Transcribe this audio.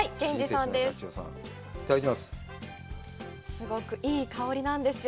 すごくいい香りなんですよ。